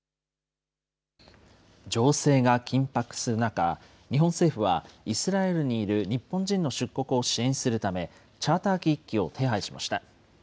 情勢が緊迫する中、日本政府は、イスラエルにいる日本人の出国を支援するため、チャーター機１機を手配しました。